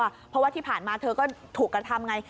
เพราะว่าที่ผ่านมาเธอก็ถูกกระทำไง